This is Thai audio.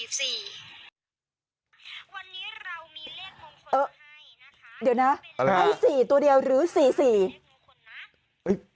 วันนี้เรามีเลขมงคลให้นะคะเดี๋ยวนะอะไรฮะให้สี่ตัวเดียวหรือสี่สี่